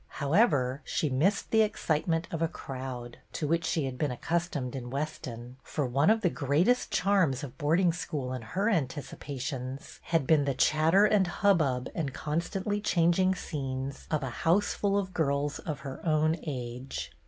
However, she missed the excitement of a crowd, to which she had been accustomed in Weston; for one of the greatest charms of boarding school in her anticipations had been the chatter and hubbub and constantly changing scenes of a house full of girls of her own age.